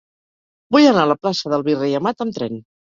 Vull anar a la plaça del Virrei Amat amb tren.